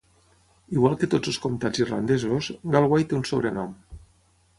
Igual que tots els comtats irlandesos, Galway té un sobrenom.